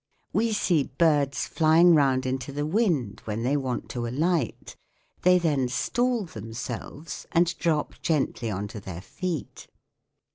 We see birds flying round into the wind when they want to alight ; they then " stall " themselves and drop gently on to their feet.